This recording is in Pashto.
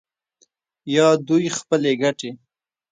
یا دوی خپلې ګټې